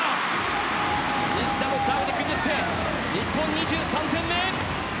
西田のサーブで崩して日本、２３点目！